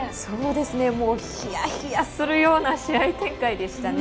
もうヒヤヒヤするような試合展開でしたね。